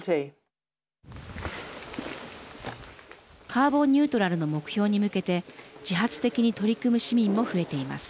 カーボンニュートラルの目標に向けて自発的に取り組む市民も増えています。